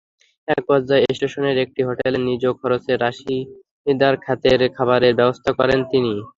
একপর্যায়ে স্টেশনের একটি হোটেলে নিজ খরচে রশিদার রাতের খাবারের ব্যবস্থা করেন তিনি।